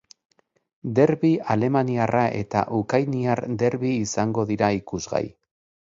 Derbi alemaniarra eta ukainiar derbi izango dira ikusgai.